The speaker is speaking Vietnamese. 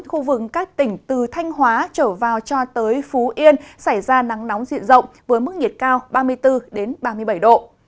khu vực các tỉnh từ thanh hóa trở vào cho tới phú yên xảy ra nắng nóng diện rộng với mức nhiệt cao ba mươi bốn ba mươi bảy độ